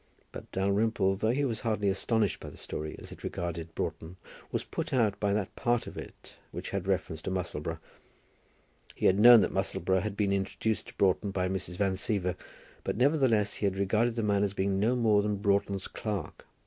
But Dalrymple, though he was hardly astonished by the story, as it regarded Broughton, was put out by that part of it which had reference to Musselboro. He had known that Musselboro had been introduced to Broughton by Mrs. Van Siever, but, nevertheless, he had regarded the man as being no more than Broughton's clerk.